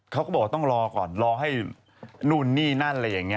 เขาก็บอกว่าต้องรอก่อนรอให้นู่นนี่นั่นอะไรอย่างนี้